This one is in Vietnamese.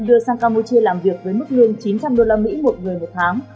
đưa sang campuchia làm việc với mức lương chín trăm linh usd một người một tháng